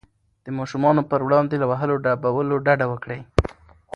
د ماشومانو پر وړاندې له وهلو ډبولو ډډه وکړئ.